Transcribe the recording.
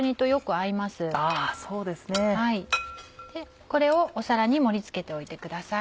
あぁそうですね。これを皿に盛り付けておいてください。